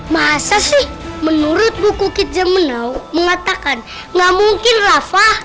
masa sih menurut buku kitja menau mengatakan nggak mungkin lafah